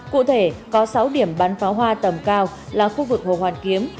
cụ thể có sáu điểm bắn pháo hoa tầm cao là khu vực hồ hoàn kiếm